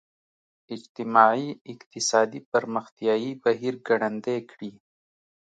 اجتماعي اقتصادي پرمختیايي بهیر ګړندی کړي.